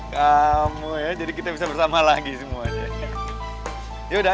cinta kita beneran pulangnya tuh